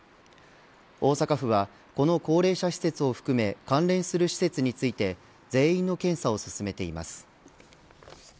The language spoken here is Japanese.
大阪府はこの高齢者施設を含め関連する施設について全員の検査を進めています。